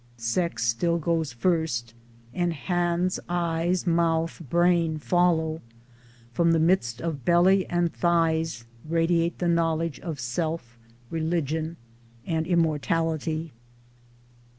Sex still goes first, and hands eyes mouth brain follow ; from the midst of belly and thighs radiate the knowledge of self, religion, and immortality.